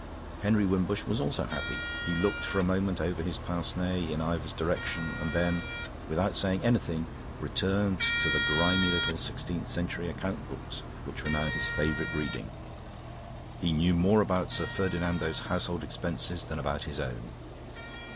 Henry Wimbush was also happy. He looked for a moment over his pince nez in Ivor's direction and then, without saying anything, returned to the grimy little sixteenth century account books which were now his favourite reading. He knew more about Sir Ferdinando's household expenses than about his own.